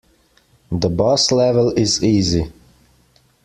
The boss level is easy.